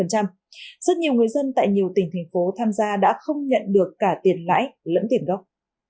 rất nhiều người dân tại nhiều tỉnh thành phố tham gia đã không nhận được cả tiền lãi lẫn tiền gốc